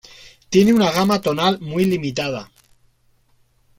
Tiene una gama tonal muy limitada.